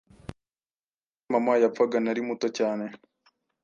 Igihe Mama yapfaga Nari muto cyane